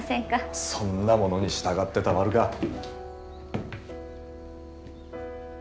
そんなものに従ってたまるか。